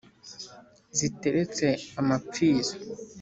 Ziteretse amapfizi